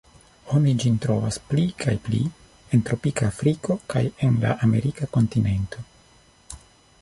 Oni ĝin trovas pli kaj pli en tropika Afriko kaj en la Amerika kontinento.